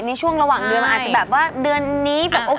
ในช่วงระหว่างเดือนมันอาจจะแบบว่าเดือนนี้แบบโอเค